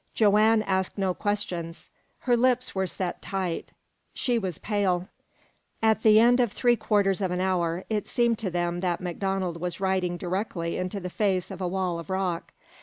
Joanne asked no questions. Her lips were set tight. She was pale. At the end of three quarters of an hour it seemed to them that MacDonald was riding directly into the face of a wall of rock.